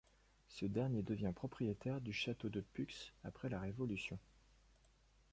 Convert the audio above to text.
Ce dernier devient propriétaire du château de Puxe après la Révolution.